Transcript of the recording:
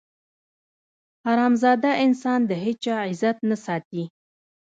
حرامزاده انسان د هېچا عزت نه ساتي.